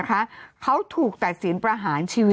เขาถูกตัดสินประหารชีวิต